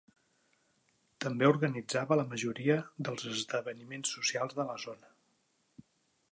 També organitzava la majoria dels esdeveniments socials de la zona.